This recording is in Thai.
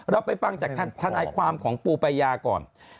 แล้วไปฟังจากท่านไอ้ความของปูปายาก่อน